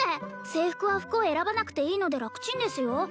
制服は服を選ばなくていいので楽チンですよ